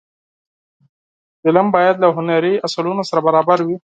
فلم باید له هنري اصولو سره برابر وي